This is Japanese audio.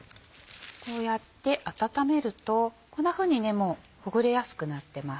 こうやって温めるとこんなふうにもうほぐれやすくなってます。